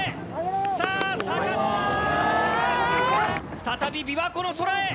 再び琵琶湖の空へ！